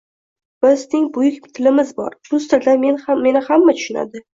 Bizning buyuk tilimiz bor. Rus tilida meni hamma tushunadi.